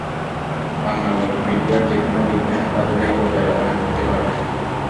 বাংলা উইকিপিডিয়ার যেকোনও অভিজ্ঞ সম্পাদক এই পর্যালোচনা করতে পারবেন।